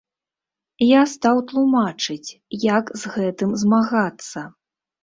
Я стаў тлумачыць, як з гэтым змагацца.